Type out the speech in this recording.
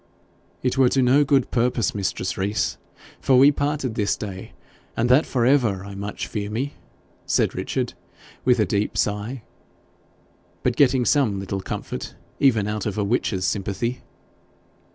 'It were to no good purpose, mistress Rees, for we parted this day and that for ever, I much fear me,' said Richard with a deep sigh, but getting some little comfort even out of a witch's sympathy.